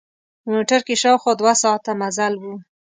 په موټر کې شاوخوا دوه ساعته مزل و.